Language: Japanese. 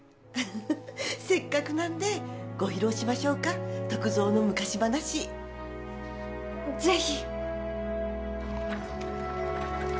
せっかくなんでご披露しましょうか篤蔵の昔話ぜひ！